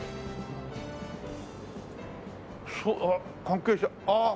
あっ関係者あ